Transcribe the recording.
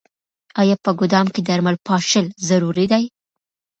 آیا په ګدام کې درمل پاشل ضروري دي؟